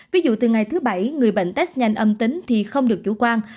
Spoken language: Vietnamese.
ví dụ từ ngày thứ bảy người bệnh test nhanh âm tính thì không được chủ quan